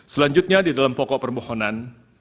selanjutnya di dalam pokok permohonan